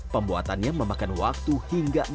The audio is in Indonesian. pembuatannya memakan waktu hingga empat jam